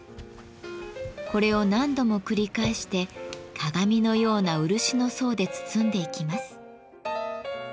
これを何度も繰り返して鏡のような漆の層で包んでいきます。